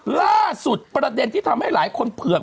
ล่าสุดประเด็นที่ทำให้หลายคนเผือก